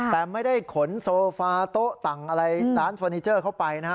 แต่ไม่ได้ขนโซฟาโต๊ะต่างอะไรร้านเฟอร์นิเจอร์เข้าไปนะฮะ